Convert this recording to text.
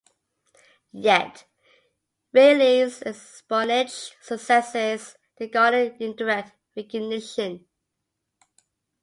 Yet Reilly's espionage successes did garner indirect recognition.